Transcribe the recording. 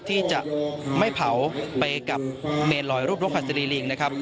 ที่จะไม่เผาไปกับเมนลอยรูปนกหัสดีลิงนะครับ